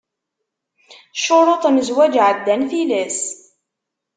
Ccuruṭ n zzwaǧ εeddan tilas.